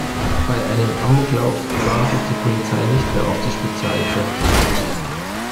Bei einem Amoklauf wartet die Polizei nicht mehr auf die Spezialkräfte.